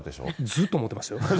ずっと思ってましたよ。